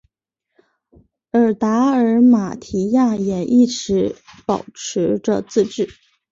而达尔马提亚也一直保持着自治。